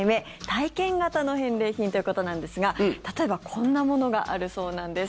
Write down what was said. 体験型の返礼品ということなんですが例えばこんなものがあるそうなんです。